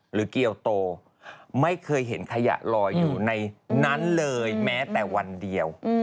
เกียวโตไม่เคยเห็นขยะลอยอยู่ในนั้นเลยแม้แต่วันเดียว